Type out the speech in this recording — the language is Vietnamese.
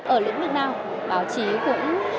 ở lĩnh vực nào báo chí cũng